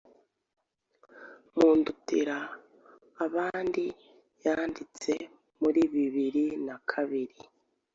mUndutira abandi yanditswe muri bibiri nakabiri.